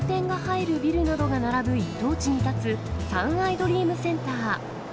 和光の本店が入るビルなどが並ぶ一等地に建つ三愛ドリームセンター。